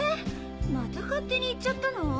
また勝手に行っちゃったの！